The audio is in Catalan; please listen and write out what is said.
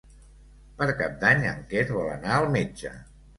Per Cap d'Any en Quel vol anar al metge.